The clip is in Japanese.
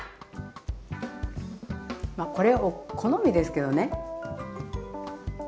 これは好みですけどね。